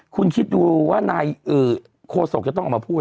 คุณคิดดูว่านายโคศกจะต้องออกมาพูด